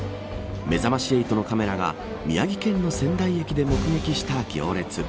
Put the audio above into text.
めざまし８のカメラが宮城県の仙台駅で目撃した行列。